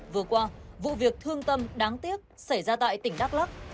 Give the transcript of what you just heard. vừa qua vụ việc thương tâm đáng tiếc xảy ra tại tỉnh đắk lắc